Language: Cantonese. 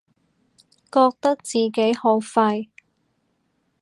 覺得自己好廢